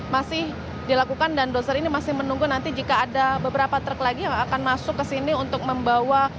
masih dilakukan dan dozer ini masih menunggu nanti jika ada beberapa truk lagi yang akan masuk ke sini untuk membawa